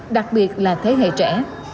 đặc biệt là thế hệ trẻ